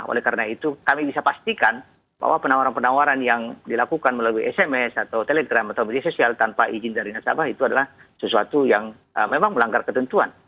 oleh karena itu kami bisa pastikan bahwa penawaran penawaran yang dilakukan melalui sms atau telegram atau media sosial tanpa izin dari nasabah itu adalah sesuatu yang memang melanggar ketentuan